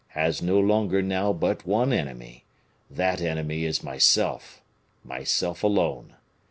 has no longer now but one enemy: that enemy is myself, myself alone.